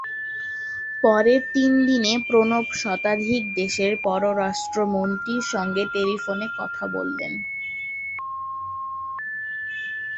পরের তিন দিনে প্রণব শতাধিক দেশের পররাষ্ট্রমন্ত্রীর সঙ্গে টেলিফোনে কথা বলেন।